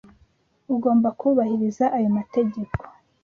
Ugomba kubahiriza ayo mategeko.